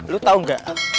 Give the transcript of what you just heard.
lo tau gak